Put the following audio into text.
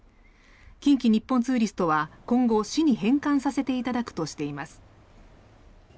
近畿日本ツーリストは今後、市に返還させていただくとしています。